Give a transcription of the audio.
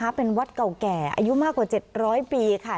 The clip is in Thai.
ซึ่งเป็นวัดเก่าแก่อายุมากกว่าเจ็ดร้อยปีค่ะ